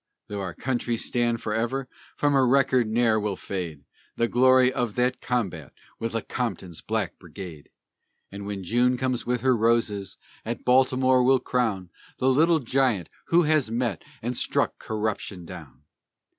Though our country stand forever, from her record ne'er will fade The glory of that combat with Lecompton's black brigade; And when June comes with her roses, at Baltimore we'll crown The "Little Giant," who has met and struck corruption down.